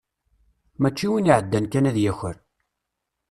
Mačči win iɛeddan kan ad yaker.